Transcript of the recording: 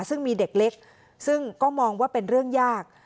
ซึ่งมีเด็กเล็กซึ่งก็มองว่าเป็นเรื่องยาก